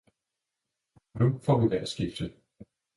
- Nu får vi vejrskifte!